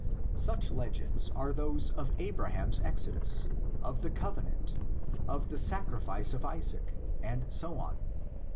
Such legends are those of Abraham's exodus, of the covenant, of the sacrifice of Isaac, and so on.